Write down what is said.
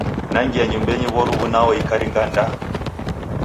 Nangia nyumbenyi w'oruw'u nao ikaringa ndaa!